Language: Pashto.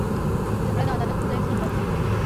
جګړه د عدالت پر ځای ظلم راولي